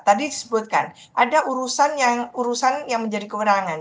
tadi disebutkan ada urusan yang menjadi kewenangan